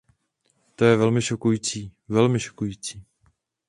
To je velmi šokující, velmi šokující.